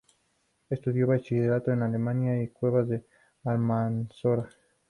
Estudió bachillerato en Almería y en Cuevas del Almanzora.